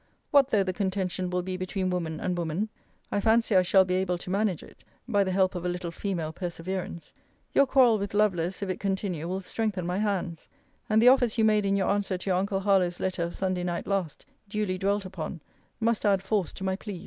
What though the contention will be between woman and woman? I fancy I shall be able to manage it, by the help of a little female perseverance. Your quarrel with Lovelace, if it continue, will strengthen my hands. And the offers you made in your answer to your uncle Harlowe's letter of Sunday night last, duly dwelt upon, must add force to my pleas.